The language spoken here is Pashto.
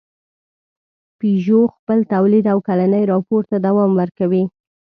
پيژو خپل تولید او کلني راپور ته دوام ورکوي.